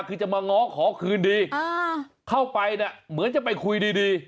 คือจะมาง้อขอคืนดีเข้าไปเนี่ยเหมือนจะไปคุยดี